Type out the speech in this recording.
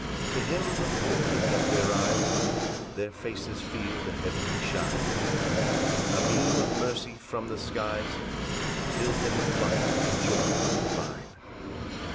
4 To him the poor lift up their eyes, Their faces feel the heavenly shine; A beam of mercy from the skies Fills them with light and joy divine.